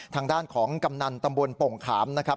ทางด้านของกำนันตำบลโป่งขามนะครับ